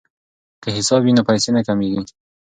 که حساب وي نو پیسې نه کمیږي.